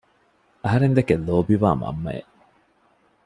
އަހަރެން ދެކެ ލޯބިވާ މަންމައެއް